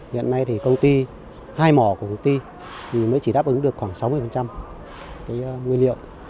hiện nay thì công ty hai mỏ của công ty mới chỉ đáp ứng được khoảng sáu mươi nguyên liệu